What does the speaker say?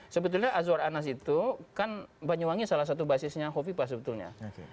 sebetulnya azwar anas itu kan banyuwangi salah satu basisnya hovipa sebetulnya